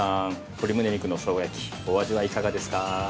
鶏むね肉のしょうが焼きお味はいかがですか。